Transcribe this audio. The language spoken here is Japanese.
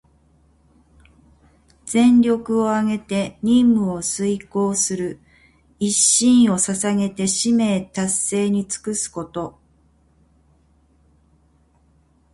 全力をあげて任務を遂行する、一身を捧げて使命達成に尽くすこと。「鞠躬」は身を低くしてかしこまること。「尽瘁」は自分のことをかえりみずに、全力をつくすこと。